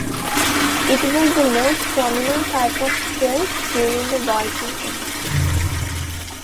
It was the most prominent type of hilt during the Viking Age.